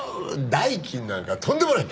代金なんかとんでもない！